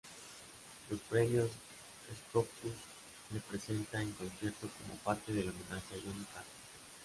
Los premios Scopus le presentan en concierto como parte del homenaje a Johnny Carson.